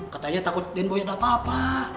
katanya takut den boy nyata papa